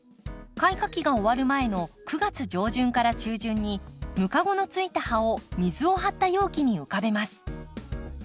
開花期が終わる前の９月上旬から中旬にムカゴのついた葉を水を張った容器に浮かべます。